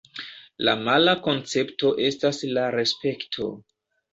La mala koncepto estas la respekto.